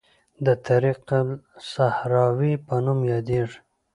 د طریق الصحراوي په نوم یادیږي.